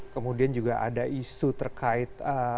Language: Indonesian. kemudian juga ada isu terkait